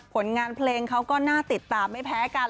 ผลงานเพลงเขาก็น่าติดตามไม่แพ้กัน